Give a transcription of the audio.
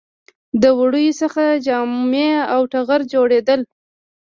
د وړیو څخه جامې او ټغر جوړیدل